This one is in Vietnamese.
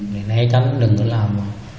để né tránh đừng có làm